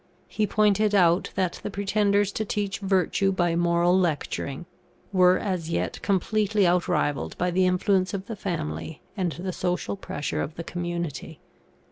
He pointed out that the pretenders to teach virtue by moral lecturing, were as yet completely outrivalled by the influence of the family and the social pressure of the community.